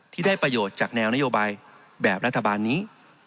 ที่ได้ประโยชน์จากแนวนโยบายแบบรัฐบาลนี้